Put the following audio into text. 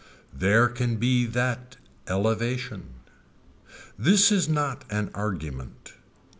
There can be that elevation. This is not an argument.